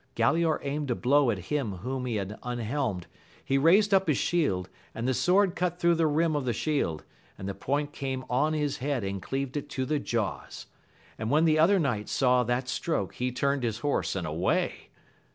Galaor aimed a blow at him whom he had unhelmed, he raised up his shield, and the sword cut through the rim of the shield, and the point came on his head and cleaved it to the jaws; and when the other knight saw that stroke, he turned his horse and away.